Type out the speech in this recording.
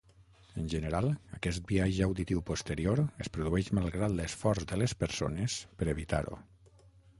En general, aquest biaix auditiu posterior es produeix malgrat l'esforç de les persones per evitar-ho.